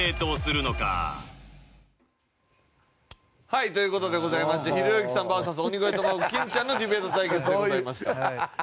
はいという事でございましてひろゆきさんＶＳ鬼越トマホーク金ちゃんのディベート対決でございました。